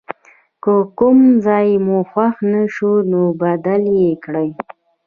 که کوم ځای مو خوښ نه شو نو بدل یې کړئ.